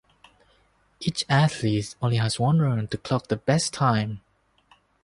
Each athlete only has one run to clock the best time.